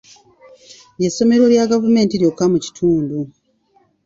Ly'essomero lya gavumenti lyokka mu kitundu.